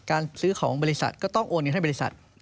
การซื้อของบริษัทก็ต้องโอนเงินให้บริษัท